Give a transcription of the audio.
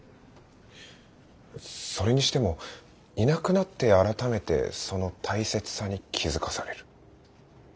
それにしてもいなくなって改めてその大切さに気付かされる。